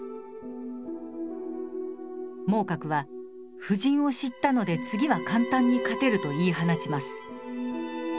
孟獲は「布陣を知ったので次は簡単に勝てる」と言い放ちます。